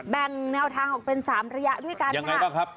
แบ่งแนวทางออกเป็น๓ระยะด้วยกันค่ะ